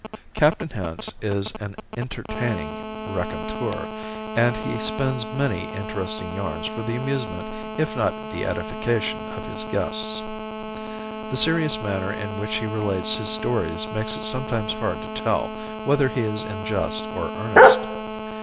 Captain Hance is an entertaining raconteur and he spins many interesting yarns for the amusement, if not the edification, of his guests. The serious manner in which he relates his stories makes it sometimes hard to tell whether he is in jest or earnest.